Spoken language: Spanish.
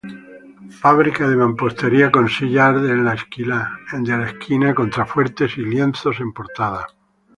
Fábrica de mampostería con sillar de la esquina, contrafuertes y lienzos en portada.